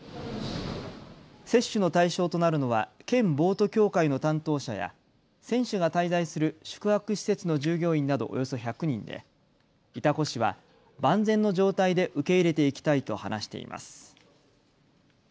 接種の対象となるのは県ボート協会の担当者や選手が滞在する宿泊施設の従業員などおよそ１００人で潮来市は万全の状態で受け入れていきたいと話しています。